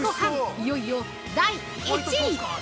いよいよ第１位。